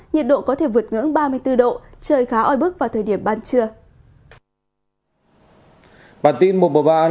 nhiệt độ có thể vượt ngưỡng ba mươi bốn độ trời khá oi bức vào thời điểm ban trưa